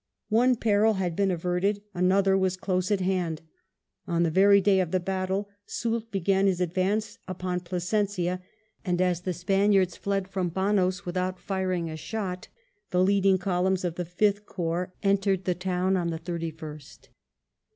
One peril had been averted, another was close at hand. On the very day of the battle, Soult began his advance upon Plasencia, and as the Spaniards fled from Banos without firing a shot, the leading columns of the Fifth Corps entered the town on the 31st.